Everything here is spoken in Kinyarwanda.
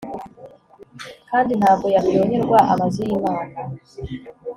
Kandi ntabwo yaryoherwa amazu yimana